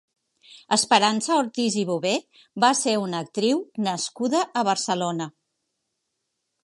Esperança Ortiz i Bover va ser una actriu nascuda a Barcelona.